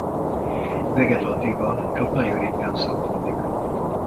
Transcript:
Vegetatívan csak nagyon ritkán szaporodik.